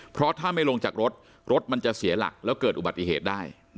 เพราะถ้าไม่ลงจากรถรถมันจะเสียหลักแล้วเกิดอุบัติเหตุได้